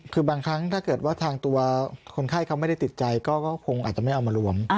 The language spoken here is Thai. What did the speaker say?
คือบางครั้งถ้าเกิดว่าทางตัวคนไข้เขาไม่ได้ติดใจก็คงอาจจะไม่เอามารวม